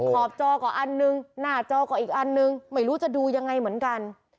ขอบจอก็อันนึงหน้าจอก็อีกอันนึงไม่รู้จะดูยังไงเหมือนกัน